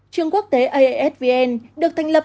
trường quốc tế aisvn được thành lập